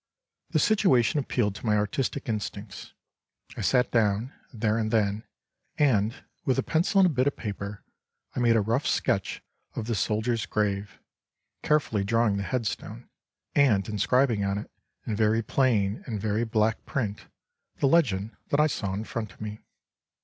The situation appealed to my artistic instincts. I sat down, there and then, and, with a pencil and a bit of paper, I made a rough sketch of the soldier's grave; carefully drawing the headstone, and inscribing on it, in very plain and very black print, the legend that I saw in front of me.